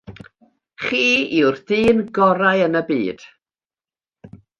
Chi yw'r dyn gorau yn y byd.